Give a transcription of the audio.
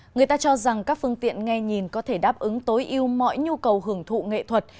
người ta cho rằng các phương tiện nghe nhìn có thể đáp ứng tối yêu mọi nhu cầu hưởng thụ nghệ thuật